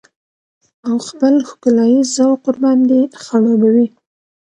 او خپل ښکلاييز ذوق ورباندې خړوبه وي.